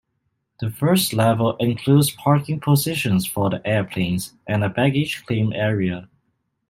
The first level includes parking positions for the airplanes, and a baggage claim area.